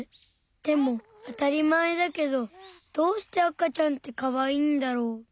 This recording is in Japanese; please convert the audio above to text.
でもあたりまえだけどどうしてあかちゃんってかわいいんだろう？